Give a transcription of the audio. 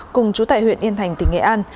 cùng chú tại huyện yên thành tỉnh nghệ an